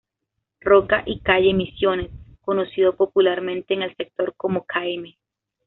Roca y calle Misiones, conocido popularmente en el sector como "km.